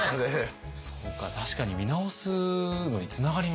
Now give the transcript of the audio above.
確かに見直すのにつながりますね。